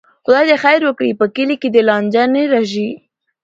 خدای دې خیر وکړي، په کلي کې دې لانجه نه راشي.